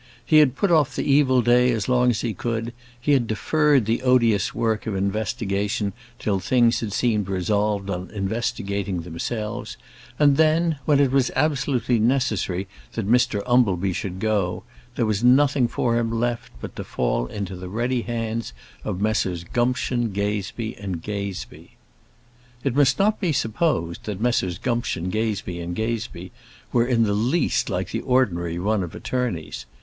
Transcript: He had put off the evil day as long as he could; he had deferred the odious work of investigation till things had seemed resolved on investigating themselves; and then, when it was absolutely necessary that Mr Umbleby should go, there was nothing for him left but to fall into the ready hands of Messrs Gumption, Gazebee and Gazebee. It must not be supposed that Messrs Gumption, Gazebee & Gazebee were in the least like the ordinary run of attorneys.